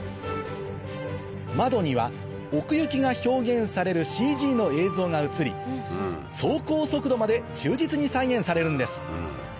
窓には奥行きが表現されるＣＧの映像が映り走行速度まで忠実に再現されるんです